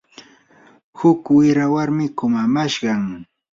huk wira warmi kumamashqam.